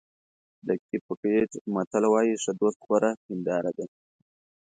د کېپ ورېډ متل وایي ښه دوست غوره هنداره ده.